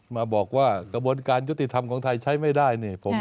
มาบอกว่ากระบวนการยุติธรรมของไทยใช้ไม่ได้นี่